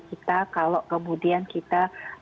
kita kalau kemudian kita